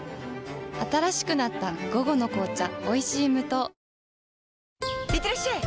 新しくなった「午後の紅茶おいしい無糖」いってらっしゃい！